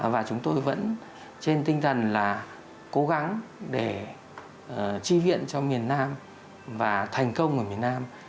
và chúng tôi vẫn trên tinh thần là cố gắng để chi viện cho miền nam và thành công ở miền nam